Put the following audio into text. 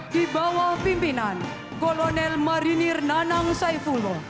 di bawah pimpinan lieutenant colonel laut pelaut tio toga pasaribu